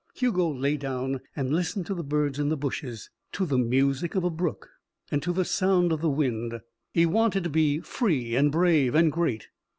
Hugo lay down and listened to the birds in the bushes, to the music of a brook, and to the sound of the wind. He wanted to be free and brave and great.